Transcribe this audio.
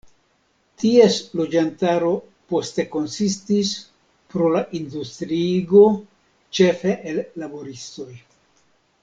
Ties loĝantaro poste konsistis, pro la industriigo, ĉefe el laboristoj.